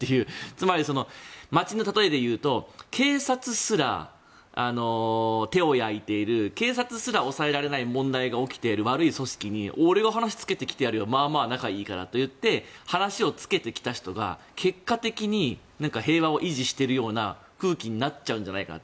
つまり、街の例えで言うと警察すら手を焼いている警察すら抑えられない問題が起きている悪い組織に俺が話つけてやるよまあまあ仲いいからって言って話をつけてきた人が、結果的に平和を維持しているような空気になっちゃうんじゃないかな。